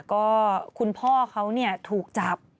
ก็คุณพ่อเขาถูกจับ